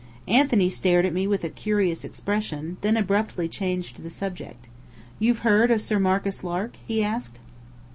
Anthony stared at me with a curious expression, then abruptly changed the subject. "You've heard of Sir Marcus Lark?" he asked.